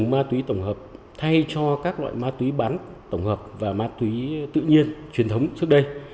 ma túy tổng hợp thay cho các loại ma túy bán tổng hợp và ma túy tự nhiên truyền thống trước đây